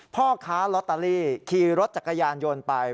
พ่อค้าลอตเตอรี่ขี่รถจักรยานยนต์ไป